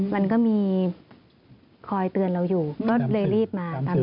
มันก็มีคอยเตือนเราอยู่มันเลยรีบมาทำสื่อ